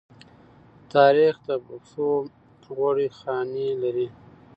تاریخ د پښو غوړې خاڼې لري.